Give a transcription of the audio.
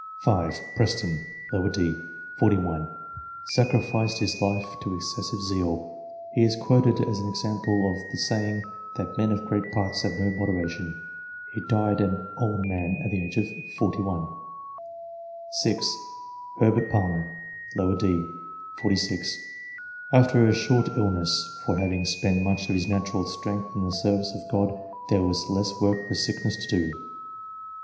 5. Preston, d. set. 41, sacrificed his life to excessive zeal ; he is quoted as an example of the saying, that " men of great parts have no moderation." He died an " old " man at the age of 41. 6. Herbert Palmer, d. set. 46, after a short illness ;" for, having spent much of his natural strength in the service of God, there was less work for sickness to do."